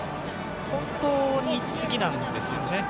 本当に次なんですよね。